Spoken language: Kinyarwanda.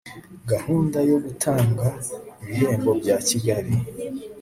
gahunda yo gutanga ibihembo bya kigali